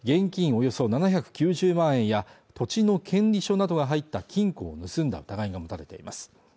およそ７９０万円や土地の権利書などが入った金庫を盗んだ疑いが持たれています